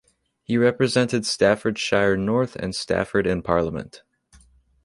He represented Staffordshire North and Stafford in Parliament.